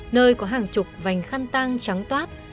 nơi có hàng chục vành khăn tăng trắng toát